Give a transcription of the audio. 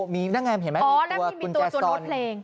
มีนั่งแงพร์นมีลูกเพลง